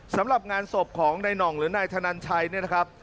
สำหรับงานศพของนายหน่องหรือนายธนันชัยเนี่ยนะครับ